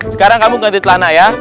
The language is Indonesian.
sekarang kamu ganti telana ya